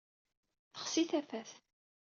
Texsi tafat.